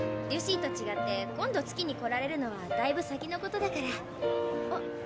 リュシーとちがって今度月に来られるのはだいぶ先のことだから。